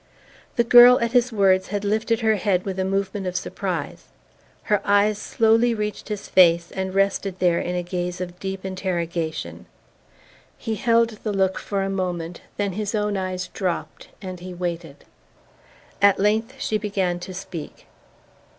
The girl, at his words, had lifted her head with a movement of surprise. Her eyes slowly reached his face and rested there in a gaze of deep interrogation. He held the look for a moment; then his own eyes dropped and he waited. At length she began to speak.